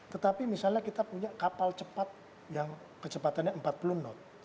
tetapi misalnya kita punya kapal cepat yang kecepatannya empat puluh knot